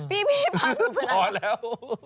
พี่พาหนูไปร้านพอแล้ว